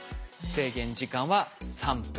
制限時間は３分。